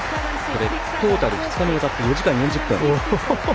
トータル２日にわたって４時間４０分。